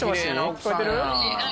聞こえてる。